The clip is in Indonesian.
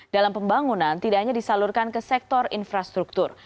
dalam pembangunan tidak hanya disalurkan ke sektor infrastruktur